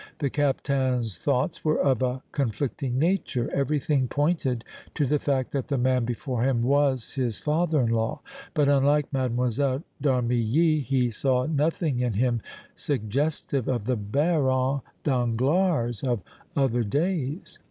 The Captain's thoughts were of a conflicting nature. Everything pointed to the fact that the man before him was his father in law, but, unlike Mlle. d' Armilly, he saw nothing in him suggestive of the Baron Danglars of other days.